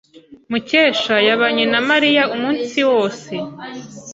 Mukesha yabanye na Mariya umunsi wose.